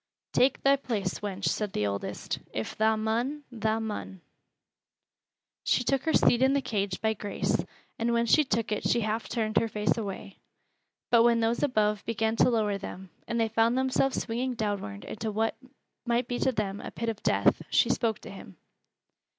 "Tak' thy place, wench," said the oldest. "If tha mun, tha mun." She took her seat in the cage by Grace, and when she took it she half turned her face away. But when those above began to lower them, and they found themselves swinging downward into what might be to them a pit of death, she spoke to him.